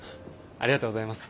ありがとうございます。